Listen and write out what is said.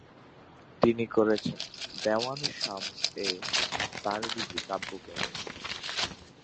তিনি করেছেন “দেওয়ান-এ শামস-এ তাবরিজী” কাব্যগ্রন্থে।